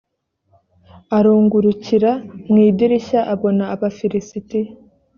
arungurukira mu idirishya abona abafilisitiya